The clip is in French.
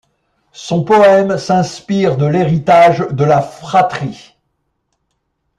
Son poème s’inspire de l'héritage de la fratrie.